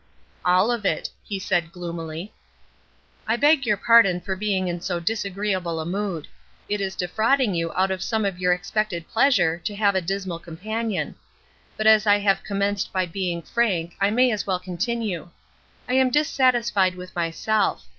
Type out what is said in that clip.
"All of it," he said gloomily. "I beg your pardon for being in so disagreeable a mood; it is defrauding you out of some of your expected pleasure to have a dismal companion. But as I have commenced by being frank I may as well continue. I am dissatisfied with myself.